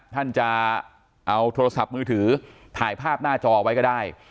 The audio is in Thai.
ท่านจะเอาโทรศัพท์มือถือถ่ายภาพหน้าจอไว้ก็ได้